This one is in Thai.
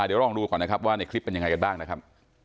เดี๋ยวลองดูก่อนนะครับว่าในคลิปเป็นยังไงกันบ้างนะครับ